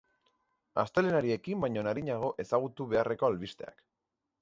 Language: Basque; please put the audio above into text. Astelehenari ekin baino arinago ezagutu beharreko albisteak.